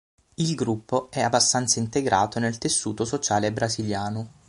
Il gruppo è abbastanza integrato nel tessuto sociale brasiliano.